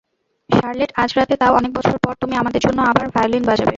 Charlotte আজ রাতে তাও অনেক বছর পর, তুমি আমাদের জন্য আবার ভায়োলিন বাজাবে।